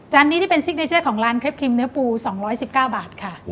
นี้ที่เป็นซิกเนเจอร์ของร้านเครปครีมเนื้อปู๒๑๙บาทค่ะ